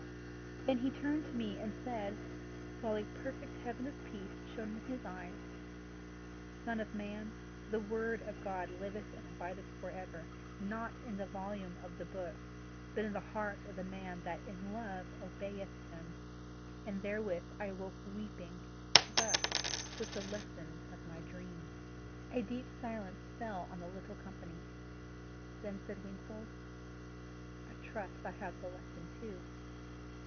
Then he turned to me and said, while a perfect heaven of peace shone in his eyes: 'Son of man, the Word of God liveth and abideth for ever, not in the volume of the book, but in the heart of the man that in love obeyeth him. And therewith I awoke weeping, but with the lesson of my dream." A deep silence fell on the little company. Then said Wingfold, "I trust I have the lesson too."